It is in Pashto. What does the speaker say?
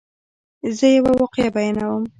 زه یوه واقعه بیانوم.